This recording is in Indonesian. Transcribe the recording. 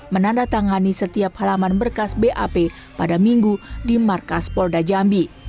menandatangani setiap halaman berkas bap pada minggu di markas polda jambi